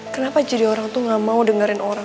kenapa jadi orang tuh gak mau dengerin orang